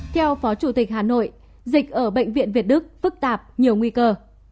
theo phó chủ tịch hà nội dịch ở bệnh viện việt đức phức tạp nhiều nguy cơ